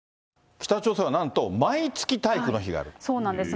北朝鮮はなんと、そうなんです。